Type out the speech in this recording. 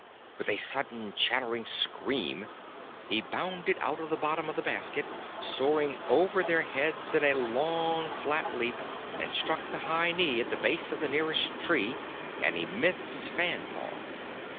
With a sudden chattering scream, he bounded out of the bottom of the basket, soaring over their heads in a long, flat leap and struck the high knee at the base of the nearest tree, an immense fan palm.